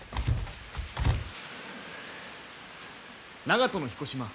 長門の彦島？